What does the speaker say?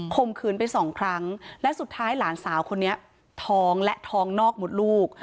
มขืนไปสองครั้งและสุดท้ายหลานสาวคนนี้ท้องและท้องนอกหมดลูก